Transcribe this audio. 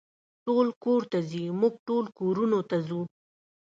ټول کور ته ځي، موږ ټول کورونو ته ځو.